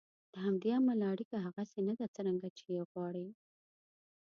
له همدې امله اړیکه هغسې نه ده څرنګه چې یې غواړئ.